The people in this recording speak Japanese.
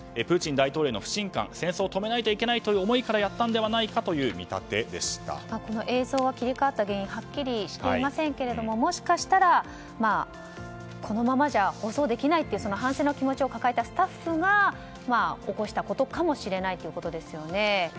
プーチン大統領への不信感戦争を止めないといけないという思いからやったのではないかこの映像が切り替わった原因はっきりはしていませんがもしかしたらこのままじゃ放送できないと反戦の気持ちを抱えたスタッフが起こしたことかもしれないということですよね。